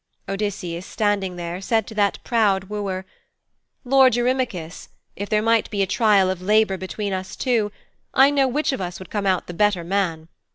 Odysseus, standing there, said to that proud wooer, 'Lord Eurymachus, if there might be a trial of labour between us two, I know which of us would come out the better man.